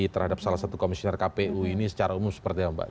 terhadap salah satu komisioner kpu ini secara umum seperti apa mbak